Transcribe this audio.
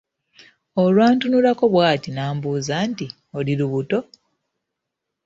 Olwantunulako bw'ati n'ambuuza nti, "oli lubuto?"